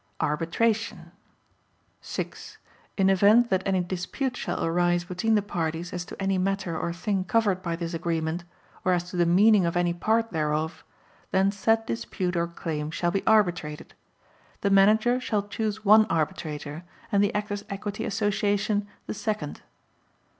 Arbitration 6. In event that any dispute shall arise between the parties as to any matter or thing covered by this agreement, or as to the meaning of any part thereof, then said dispute or claim shall be arbitrated. The Manager shall choose one arbitrator and the Actors' Equity Association the second.